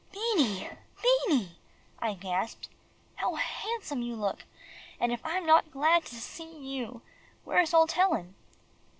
"Beanie, Beanie," I gasped, "how handsome you look and if I'm not glad to see you. Where's old Ellen?"